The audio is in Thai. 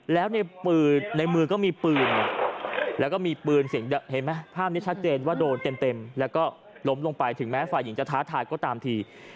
แล้วในมือก็มีปืนแล้วก็มีปืนเสียงเห็นไหมภาพนี้ชัดเจนว่าโดนเต็มแล้วก็ล้มลงไปถึงแม้ฝ่ายหญิงจะท้าทายก็ตามที